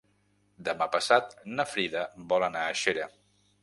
Demà passat na Frida vol anar a Xera.